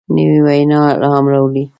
نوې وینا الهام راولي